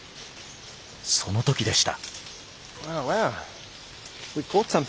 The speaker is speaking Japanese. その時でした。